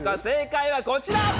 正解はこちら！